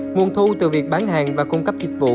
nguồn thu từ việc bán hàng và cung cấp dịch vụ